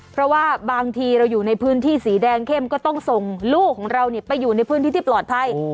เพราะว่าบางทีเราอยู่ในพื้นที่สีแดงเข้มก็ต้องส่งลูกของเราไปอยู่ในพื้นที่ที่ปลอดภัย